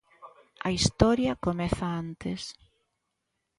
A historia comeza antes.